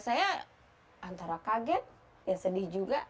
saya antara kaget ya sedih juga